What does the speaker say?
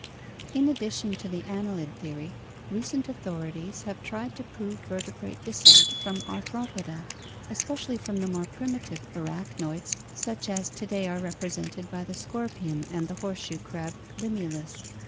— In addition to the annelid theory, recent authorities have tried to prove vertebrate descent from Artnropoda, especially from the more primitive arachnoids such as to day are represented by the scorpion and the horseshoe crab (Limulus, Fig.